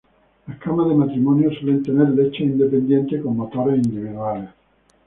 Las camas de matrimonio suelen tener lechos independientes con motores individuales.